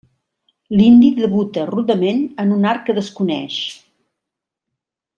L'indi debuta rudement en un art que desconeix.